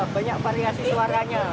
banyak variasi suaranya